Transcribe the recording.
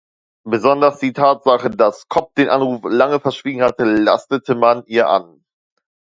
Besonders die Tatsache, dass Kopp den Anruf lange verschwiegen hatte, lastete man ihr an.